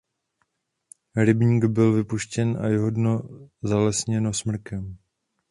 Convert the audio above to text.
Rybník byl vypuštěn a jeho dno zalesněno smrkem.